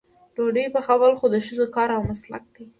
ډوډۍ پخول خو د ښځو کار او مسلک دی.